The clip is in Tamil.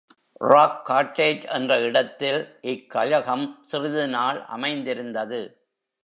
ராக்காட்டேஜ் என்ற இடத்தில் இக் கழகம் சிறிது நாள் அமைந்திருந்தது.